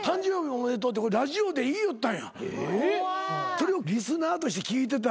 それをリスナーとして聞いてた。